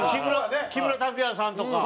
木村拓哉さんとか。